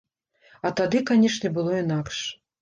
А тады, канешне было інакш.